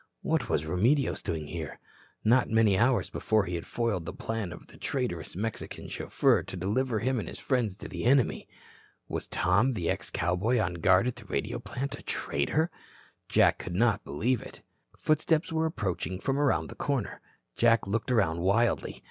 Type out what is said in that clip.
What was Remedios doing here? Not many hours before he had foiled the plan of the traitorous Mexican chauffeur to deliver him and his friends to the enemy. Was Tom, the ex cowboy, on guard at the radio plant, a traitor? Jack could not believe it. Footsteps were approaching from around the corner. Jack looked around wildly.